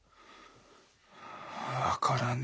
分からぬ。